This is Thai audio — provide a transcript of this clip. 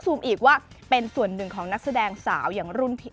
อีกว่าเป็นส่วนหนึ่งของนักแสดงสาวอย่างรุ่นพี่